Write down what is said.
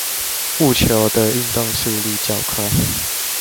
戊球運動的速率較快